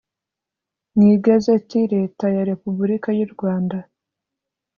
mu IgazetiyaLetaya Repubulika y u Rwanda